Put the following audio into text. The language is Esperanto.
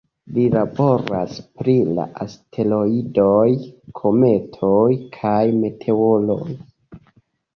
Li laboras pri la asteroidoj, kometoj kaj meteoroj.